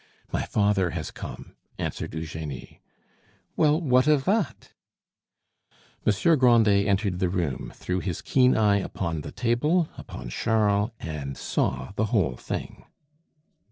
"My father has come," answered Eugenie. "Well, what of that?" Monsieur Grandet entered the room, threw his keen eye upon the table, upon Charles, and saw the whole thing.